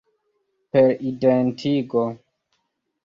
Per identigo.